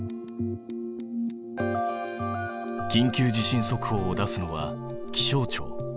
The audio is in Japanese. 「緊急地震速報」を出すのは気象庁。